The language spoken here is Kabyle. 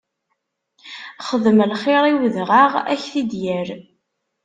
Xdem lxiṛ i udɣaɣ, ad k-t-id-yerr!